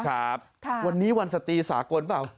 ครับวันนี้วันสตรีสากลเปล่า